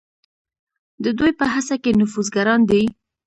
د دوی په هسته کې نفوذ ګران دی.